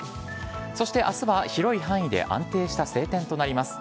そして、あすは広い範囲で安定した晴天となります。